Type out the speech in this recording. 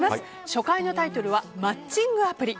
初回のタイトルは「マッチングアプリ」。